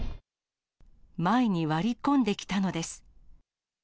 前に割り込んできたのです。